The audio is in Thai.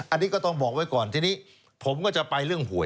อันนี้ก็ต้องบอกไว้ก่อนทีนี้ผมก็จะไปเรื่องหวย